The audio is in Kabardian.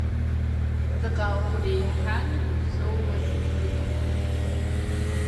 Дыкъаухъуреихьами, дыпсэууэ зыттынукъым!